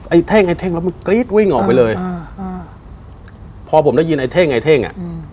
ไอเท่งไอเท่งแล้วมันกรี๊ดวิ่งออกไปเลยพอผมได้ยินไอเท่งไอเท่ง